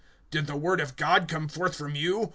(36)Did the word of God come forth from you?